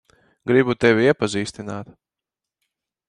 Gribu tevi iepazīstināt.